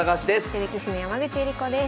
女流棋士の山口恵梨子です。